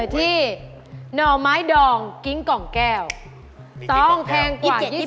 ต้องแพงกว่า๒๕บาท